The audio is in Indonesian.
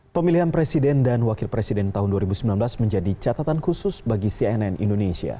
pemilihan presiden dan wakil presiden tahun dua ribu sembilan belas menjadi catatan khusus bagi cnn indonesia